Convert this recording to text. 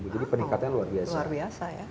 jadi peningkatannya luar biasa